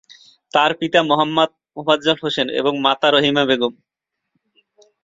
তার পিতা মোহাম্মদ মোফাজ্জল হোসেন এবং মাতা রহিমা বেগম।